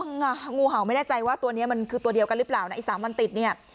งูเห่าไม่แน่ใจว่าตัวนี้มันคือตัวเดียวกันหรือเปล่านะไอ้สามวันติดเนี่ย